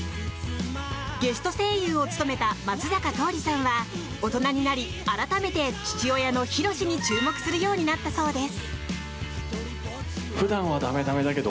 ゲスト声優を務めた松坂桃李さんは大人になり、改めて父親のひろしに注目するようになったそうです。